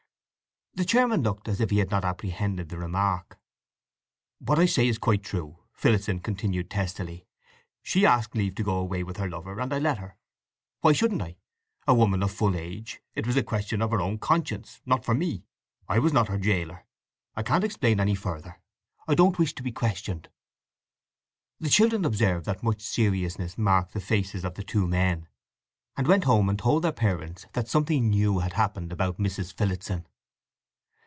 The chairman looked as if he had not apprehended the remark. "What I say is quite true," Phillotson continued testily. "She asked leave to go away with her lover, and I let her. Why shouldn't I? A woman of full age, it was a question of her own conscience—not for me. I was not her gaoler. I can't explain any further. I don't wish to be questioned." The children observed that much seriousness marked the faces of the two men, and went home and told their parents that something new had happened about Mrs. Phillotson.